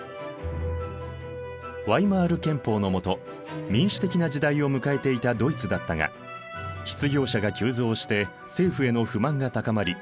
ワイマール憲法の下民主的な時代を迎えていたドイツだったが失業者が急増して政府への不満が高まり